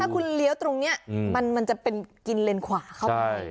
คุณเลี้ยวตรงนี้มันจะเป็นกินเลนขวาเข้าไป